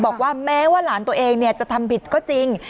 บอกว่าแม้ว่าหลานตัวเองจะทำผิดก็จริง